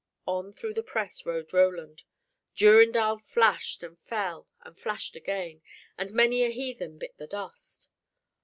On through the press rode Roland. Durindal flashed and fell and flashed again, and many a heathen bit the dust.